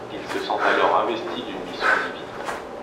Il se sent alors investi d'une mission divine.